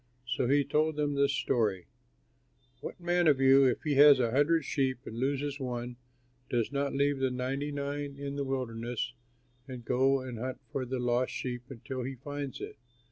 So he told them this story: "What man of you, if he has a hundred sheep and loses one, does not leave the ninety nine in the wilderness and go and hunt for the lost sheep until he finds it?